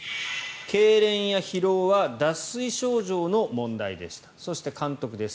けいれんや疲労は脱水症状の問題でしたそして監督です。